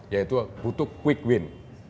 yaitu butuh quick win